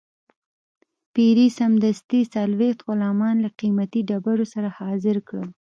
پیري سمدستي څلوېښت غلامان له قیمتي ډبرو سره حاضر کړل.